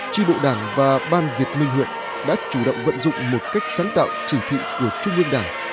tri bộ đảng và ban việt minh huyện đã chủ động vận dụng một cách sáng tạo chỉ thị của trung ương đảng